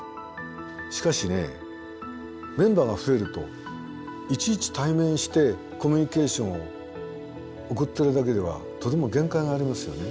しかしメンバーが増えるといちいち対面してコミュニケーションを送っているだけではとても限界がありますよね。